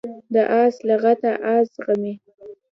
د آس لغته آس زغمي.